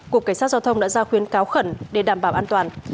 cục cảnh sát giao thông đã ra khuyến cáo khẩn để đảm bảo an toàn